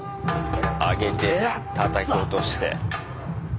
上げてたたき落として。